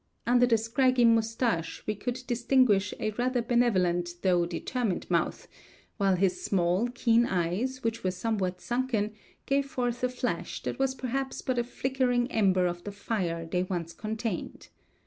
Under the scraggy mustache we could distinguish a rather benevolent though determined mouth; while his small, keen eyes, which were somewhat sunken, gave forth a flash that was perhaps but a flickering ember of the fire they once contained.